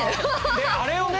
であれをね。